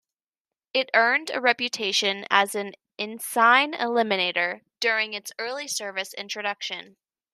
It earned a reputation as an "ensign eliminator" during its early service introduction.